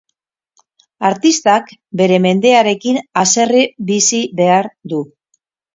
Artistak bere mendearekin haserre bizi behar du.